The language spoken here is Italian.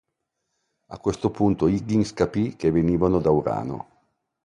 A questo punto, Higgins capì che venivano da Urano.